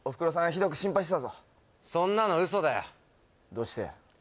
ひどく心配してたぞそんなの嘘だよどうして？